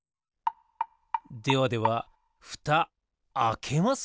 ではではふたあけますよ。